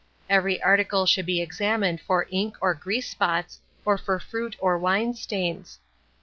Every article should be examined for ink or grease spots, or for fruit or wine stains.